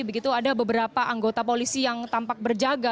begitu ada beberapa anggota polisi yang tampak berjaga